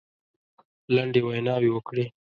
لنډې ویناوي وکړې.